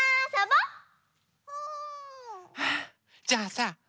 じゃあさ